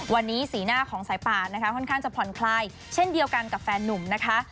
วันนี้สีหน้าของสายป่านนะคะค่อนข้างจะผ่อนคลายเช่นเดียวกันกับแฟนนุ่มนะคะ